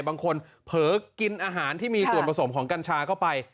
บางคนเผลอกินอาหารที่มีส่วนผสมของกัญชาเข้าไป